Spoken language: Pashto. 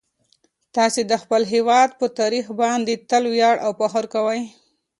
تاسو د خپل هیواد په تاریخ باندې تل ویاړ او فخر کوئ.